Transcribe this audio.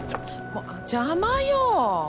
もう邪魔よ。